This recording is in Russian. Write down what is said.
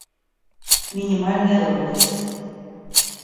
Минимальная громкость